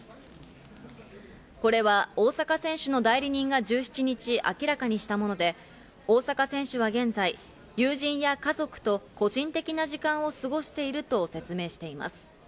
これは大坂選手の代理人が１７日、明らかにしたもので、大坂選手は現在、友人や家族と個人的な時間を過ごしていると説明しています。